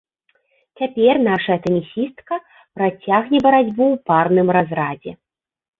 Цяпер нашая тэнісістка працягне барацьбу ў парным разрадзе.